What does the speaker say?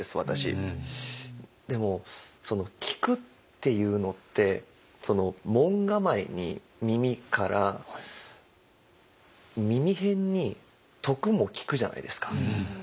でも「聞く」っていうのって門構えに「耳」から耳偏に「徳」も「聴く」じゃないですか。